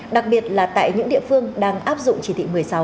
đặc biệt là tại những địa phương đang áp dụng chỉ thị một mươi sáu